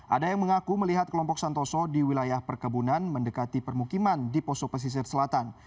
ada yang mengaku melihat kelompok santoso di wilayah perkebunan mendekati permukiman di poso pesisir selatan